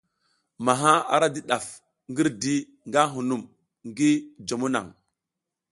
Maha ara di ɗaf ngirdi nga hunum ngi jomo naŋ.